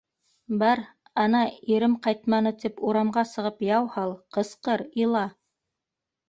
Бар, ана, ирем ҡайтманы, тип урамға сығып яу һал, ҡысҡыр, ила...